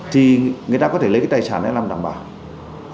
thì người ta có thể lấy tài sản đó làm đảm bảo